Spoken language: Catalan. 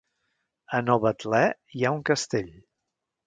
A Novetlè hi ha un castell?